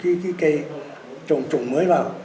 vừa trồng cái cây trồng trồng mới vào